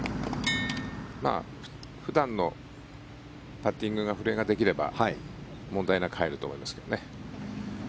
普段のパッティングが古江ができれば問題なく入ると思いますけどね。